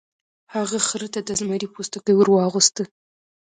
هغه خر ته د زمري پوستکی ور واغوسته.